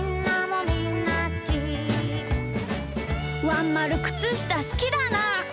「ワンまるくつしたすきだなー。